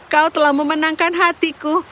kau telah memenangkan hatiku